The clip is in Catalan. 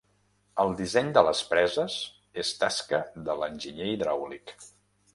El disseny de les preses és tasca de l'enginyer hidràulic.